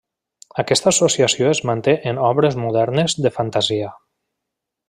Aquesta associació es manté en obres modernes de fantasia.